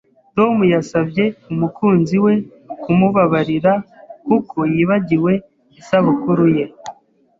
Tom yasabye umukunzi we kumubabarira kuko yibagiwe isabukuru ye.